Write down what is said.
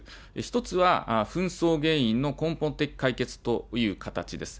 １つは紛争原因の根本的解決という形です。